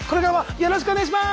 よろしくお願いします。